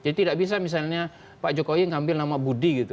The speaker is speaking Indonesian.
jadi tidak bisa misalnya pak jokowi mengambil nama budi gitu